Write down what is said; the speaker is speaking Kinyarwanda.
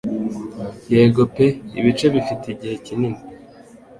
Yego pe ibice bifite igihe kinini